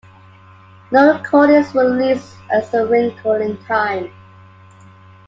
No recordings were released as A Wrinkle in Time.